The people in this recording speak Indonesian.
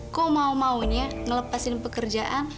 kok mau mauin ya ngelepasin pekerjaan